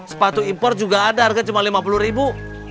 sepatu impor juga ada harga cuma lima puluh ribu